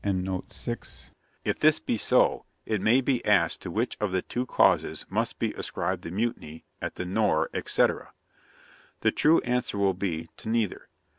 ' If this be so, it may be asked to which of the two causes must be ascribed the mutiny at the Nore, etc.? The true answer will be, to neither.